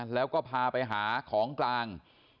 แล้วก็พาไปหาของกลาง